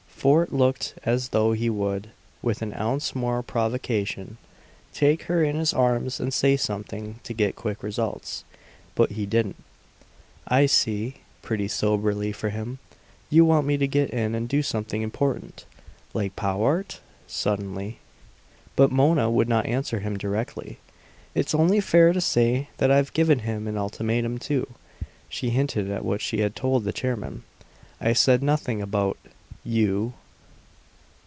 Fort looked as though he would, with an ounce more provocation, take her in his arms and say something to get quick results. But he didn't. "I see," pretty soberly, for him. "You want me to get in and do something important. Like Powart?" suddenly. But Mona would not answer him directly. "It's only fair to say that I've given him an ultimatum, too." She hinted at what she had told the chairman. "I said nothing about you."